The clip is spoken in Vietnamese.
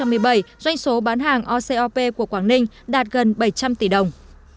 năm hai nghìn một mươi bảy doanh số bán hàng ocop của quảng ninh đạt gần bảy trăm linh tỷ đồng